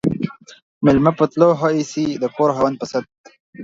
ميلمه په تلو ښه ايسي ، د کور خاوند په ست.